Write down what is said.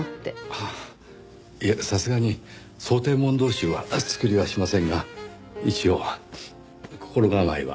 さすがに想定問答集は作りはしませんが一応心構えは。